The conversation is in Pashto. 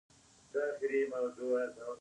یاقوت د افغانستان د ځایي اقتصادونو بنسټ دی.